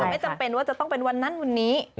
ไม่จำเป็นว่าจะต้องเป็นวันนั้นวันนี้